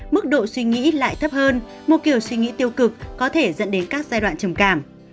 mức độ suy nghĩ lại thấp hơn một kiểu suy nghĩ tiêu cực có thể dẫn đến các giai đoạn trầm cảm